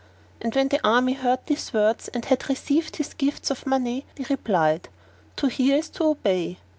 And when the army heard these words and had received his gifts of money they replied, "To hear is to obey!"